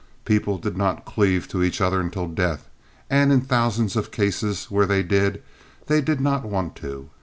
People did not cleave to each other until death; and in thousands of cases where they did, they did not want to.